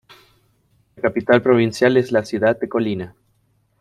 La capital provincial es la ciudad de Colina.